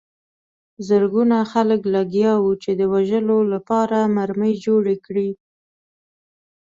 زرګونه خلک لګیا وو چې د وژلو لپاره مرمۍ جوړې کړي